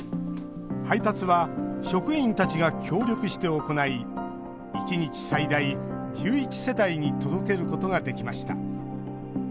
配達は職員たちが協力して行い１日最大１１世帯に届けることができました。